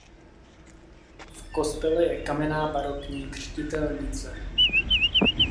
V kostele je kamenná barokní křtitelnice.